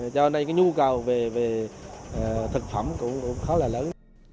do này cái nhu cầu về thực phẩm cũng khó là lớn